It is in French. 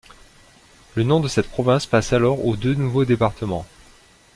Le nom de cette province passe alors aux deux nouveaux départements.